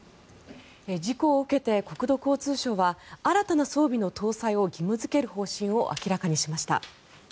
事故を受けて国土交通省は新たな装備の搭載を義務付ける方針を明らかにしました。